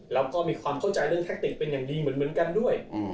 แล้วก็มีความเข้าใจเรื่องแทคติกเป็นอย่างดีเหมือนกันด้วย